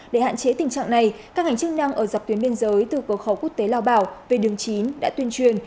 để hạn chế tình trạng này các ngành chức năng ở dọc tuyến biên giới từ cơ khẩu quốc tế lao bảo về đường chín đã tuyên truyền